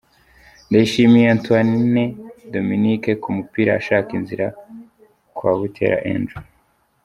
Ndayishimiye Antoine Dominique ku mupira ashaka inzira kwa Buteera Andrew.